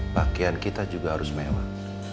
pakaian kita juga harus mewah